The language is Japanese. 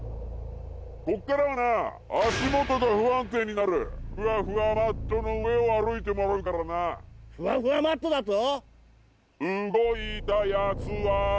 こっからはな足元が不安定になるふわふわマットの上を歩いてもらうからなふわふわマットだと？